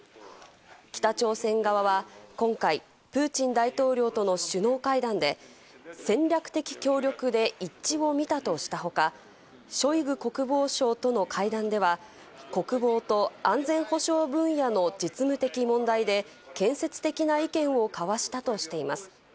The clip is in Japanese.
北朝鮮側は今回、プーチン大統領との首脳会談で戦略的協力で一致をみたとしたほか、ショイグ国防相との会談では国防と安全保障分野の実務的問題で建設的な意見を交わしたとしています。